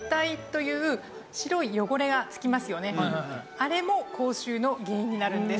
あれも口臭の原因になるんです。